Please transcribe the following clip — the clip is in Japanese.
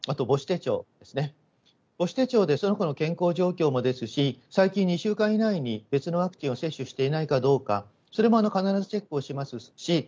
母子手帳でその子の健康状況もですし、最近２週間以内に、別のワクチンを接種していないかどうか、それも必ずチェックをしますし。